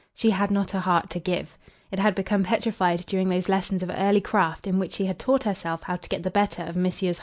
She had not a heart to give. It had become petrified during those lessons of early craft in which she had taught herself how to get the better of Messrs.